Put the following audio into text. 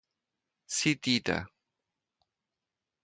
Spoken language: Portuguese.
cindida